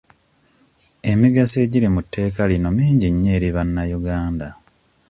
Emigaso egiri mu tteeka lino mingi nnyo eri bannayuganda.